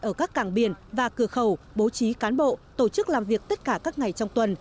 ở các cảng biển và cửa khẩu bố trí cán bộ tổ chức làm việc tất cả các ngày trong tuần